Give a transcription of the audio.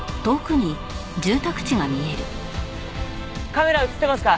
カメラ映ってますか？